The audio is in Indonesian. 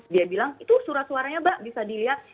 dia bilang itu surat suaranya mbak bisa dilihat